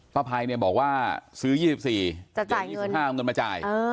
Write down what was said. ป้าพัยเนี่ยบอกว่าซื้อ๒๔จะเอา๒๕เงินมาจ่าย